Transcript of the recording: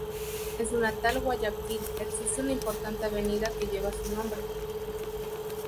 En su natal Guayaquil, existe una importante avenida que lleva su nombre.